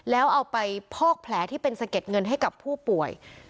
แล้วเอาไปพอกแผลที่เป็นสะเก็ดเงินให้กับผู้ป่วย